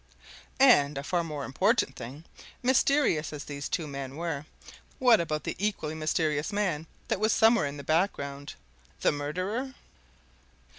And a far more important thing, mysterious as these two men were, what about the equally mysterious man that was somewhere in the background the murderer?